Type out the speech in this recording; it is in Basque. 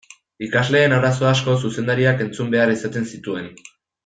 Ikasleen arazo asko zuzendariak entzun behar izaten zituen.